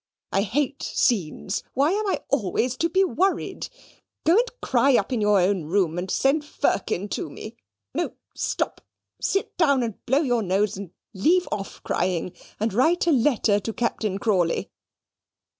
I hate scenes. Why am I always to be worried? Go and cry up in your own room, and send Firkin to me no, stop, sit down and blow your nose, and leave off crying, and write a letter to Captain Crawley."